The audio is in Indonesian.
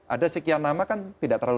ada sekian nama kan tidak terlalu